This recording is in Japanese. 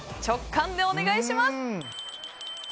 直感でお願いします！